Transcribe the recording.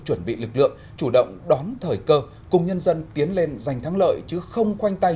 chuẩn bị lực lượng chủ động đón thời cơ cùng nhân dân tiến lên giành thắng lợi chứ không khoanh tay